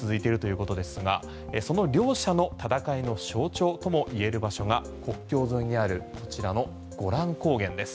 長く続いているということですがその両者の戦いの象徴ともいえる場所が国境沿いにあるこちらのゴラン高原です。